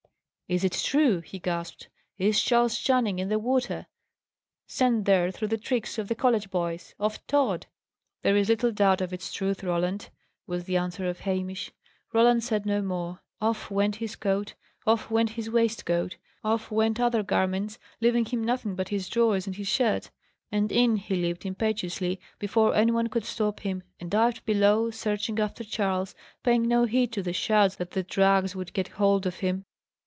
"Is it true?" he gasped. "Is Charles Channing in the water! sent there through the tricks of the college boys of Tod?" "There is little doubt of its truth, Roland," was the answer of Hamish. Roland said no more. Off went his coat, off went his waistcoat, off went other garments, leaving him nothing but his drawers and his shirt; and in he leaped impetuously, before any one could stop him, and dived below, searching after Charles, paying no heed to the shouts that the drags would get hold of him.